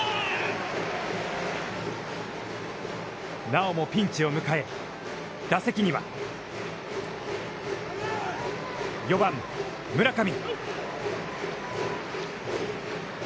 なおもピンチを迎え、打席には４番村上。